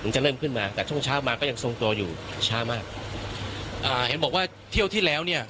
จะเริ่มขึ้นมาแต่ช่วงเช้ามาก็ยังทรงตัวอยู่ช้ามากอ่าเห็นบอกว่าเที่ยวที่แล้วเนี่ย